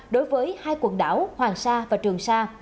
đối với hai quần đảo hoàng sa và trường sa